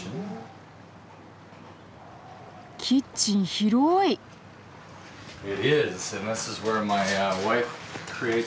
キッチン広い！